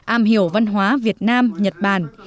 am hiểu văn hóa việt nam nhật bản